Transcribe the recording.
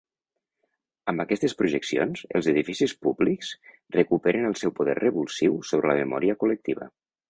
Amb aquestes projeccions, els edificis públics recuperen el seu poder revulsiu sobre la memòria col·lectiva.